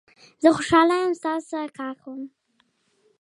زه خوشحال یم چې تاسو سره کار کوم.